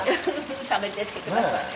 食べてってください。